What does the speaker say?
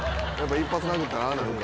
１発殴ったらああなるか。